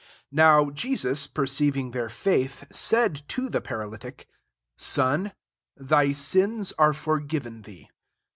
5 bi^ow Jesus perceiving their faith, said to the paralytic, "Son, thy sins are forgiven thee."